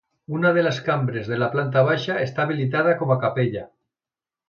Una de les cambres de la planta baixa està habilitada com a capella.